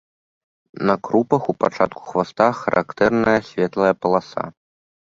На крупах, у пачатку хваста, характэрная светлая паласа.